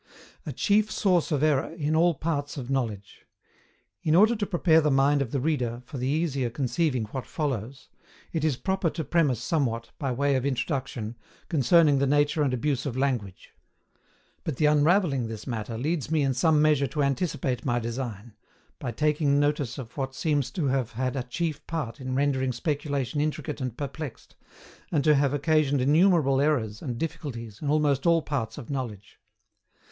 A CHIEF SOURCE OF ERROR IN ALL PARTS OF KNOWLEDGE. In order to prepare the mind of the reader for the easier conceiving what follows, it is proper to premise somewhat, by way of Introduction, concerning the nature and abuse of Language. But the unravelling this matter leads me in some measure to anticipate my design, by taking notice of what seems to have had a chief part in rendering speculation intricate and perplexed, and to have occasioned innumerable errors and difficulties in almost all parts of knowledge.